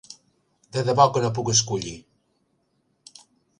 De debò que no puc escollir.